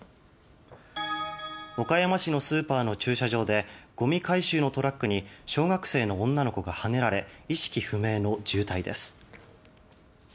岡山市のスーパーの駐車場でごみ回収のトラックに小学生の女の子がはねられ意識不明の重体です。